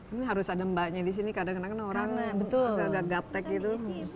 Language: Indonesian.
ini harus ada mbak nya di sini kadang kadang orang agak agak gap tek gitu